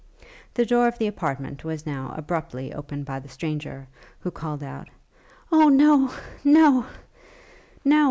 The door of the apartment was now abruptly opened by the stranger, who called out 'O no! no!